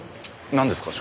なんですか？